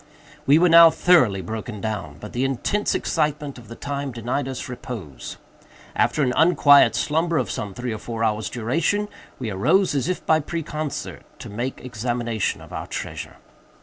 We were now thoroughly broken down; but the intense excitement of the time denied us repose. After an unquiet slumber of some three or four hours' duration, we arose, as if by preconcert, to make examination of our treasure.